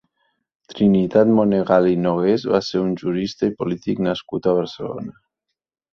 Trinitat Monegal i Nogués va ser un jurista i polític nascut a Barcelona.